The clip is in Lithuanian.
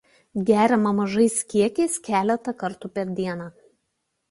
Geriama mažais kiekiais keletą kartų per dieną.